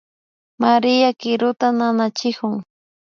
María kiruta nanachikun